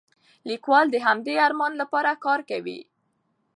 لیکوال د همدې ارمان لپاره کار کوي.